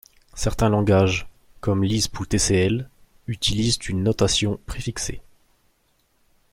Certains langages, comme Lisp ou Tcl, utilisent une notation préfixée.